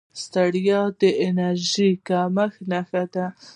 ستړیا د انرژۍ کمښت نښه ده